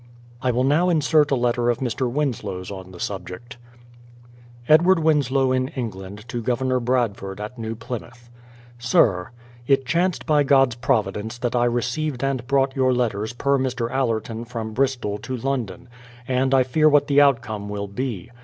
I will now insert a letter of Mr. Winslow's on the subject. Edward Winslow in England to Governor Bradford at New Plymouth: Sir, It chanced by God's providence that I received and brought your letters per Mr. Allerton from Bristol to London; and I fear what the outcome will be.